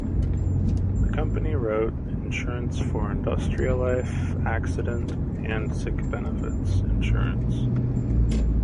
The company wrote insurance for industrial life, accident and sick benefits insurance.